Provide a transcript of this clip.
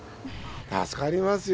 助かりますよ。